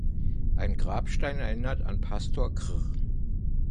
Ein Grabstein erinnert an Pastor Chr.